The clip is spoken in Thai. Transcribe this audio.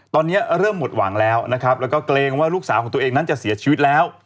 ตอนนี้เริ่มหมดหวังแล้วนะครับแล้วก็เกรงว่าลูกสาวของตัวเองนั้นจะเสียชีวิตแล้ว